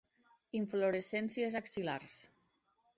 Inflorescències axil·lars.